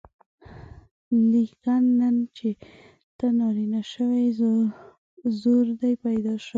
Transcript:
لیکن نن چې ته نارینه شوې زور دې پیدا شو.